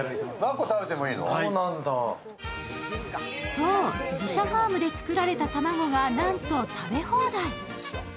そう、自社ファームで作られた卵がなんと食べ放題。